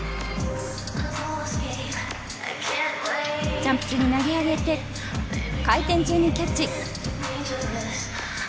ジャンプ中に投げ上げて回転中にキャッチ。